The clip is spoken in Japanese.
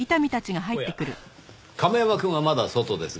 おや亀山くんはまだ外ですが何か？